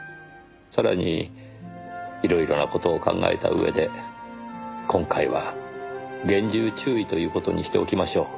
さらに色々な事を考えた上で今回は厳重注意という事にしておきましょう。